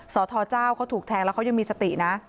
สทเจ้าเขาถูกแทงแล้วเขายังมีสตินะ